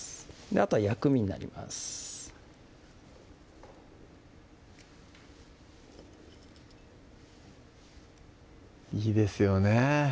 あとは薬味になりますいいですよね